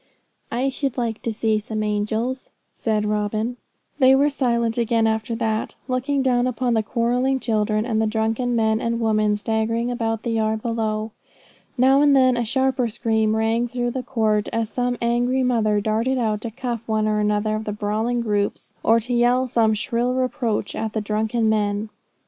'I should like to see some angels,' said Robin. They were silent again after that, looking down upon the quarrelling children, and the drunken men and women staggering about the yard below. Now and then a sharper scream rang through the court, as some angry mother darted out to cuff one or another of the brawling groups, or to yell some shrill reproach at the drunken men.